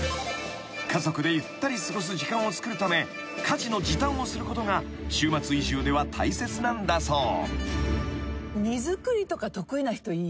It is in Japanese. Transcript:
［家族でゆったり過ごす時間をつくるため家事の時短をすることが週末移住では大切なんだそう］